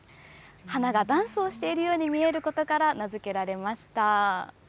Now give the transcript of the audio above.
花がダンスをしているように見えることから、名付けられました。